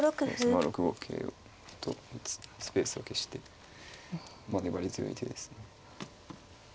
まあ６五桂と打つスペースを消して粘り強い手ですね。